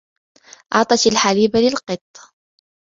أعطت الحليب لقط.